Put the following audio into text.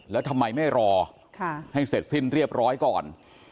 แล้วทำไมไม่รอให้เสร็จสิ้นเรียบร้อยก่อน